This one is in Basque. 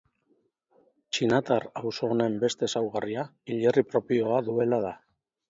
Txinatar auzo honen beste ezaugarria hilerri propioa duela da.